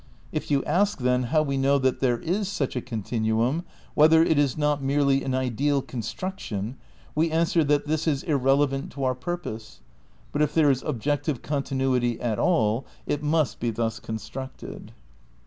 If you ask, then, how we know that there is such a continuum, whether it is not merely an ideal construction, we answer that this is irrele vant to our purpose; but if there is objective continuity at all it must be thus constructed."